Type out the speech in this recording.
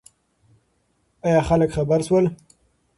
ایا خلک خبر شول؟